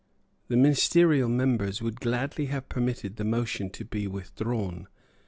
The ministerial members would gladly have permitted the motion to be withdrawn.